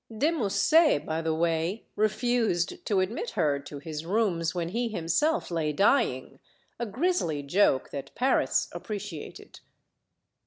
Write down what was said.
De Musset, by the way refused to admit her to his rooms when he himself lay dying a grisly joke that Paris appreciated.